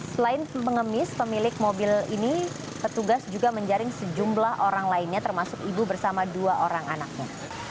selain pengemis pemilik mobil ini petugas juga menjaring sejumlah orang lainnya termasuk ibu bersama dua orang anaknya